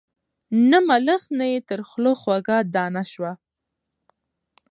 نه ملخ نه یې تر خوله خوږه دانه سوه